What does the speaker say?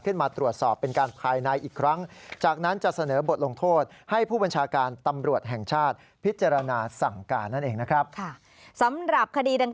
ครับคดีดังกล่าวนะครับ